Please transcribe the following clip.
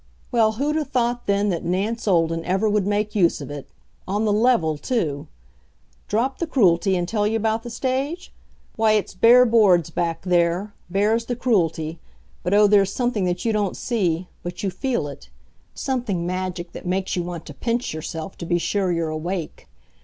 Well, who'd 'a' thought then that Nance Olden ever would make use of it on the level, too! Drop the Cruelty, and tell you about the stage? Why, it's bare boards back there, bare as the Cruelty, but oh, there's something that you don't see, but you feel it something magic that makes you want to pinch yourself to be sure you're awake.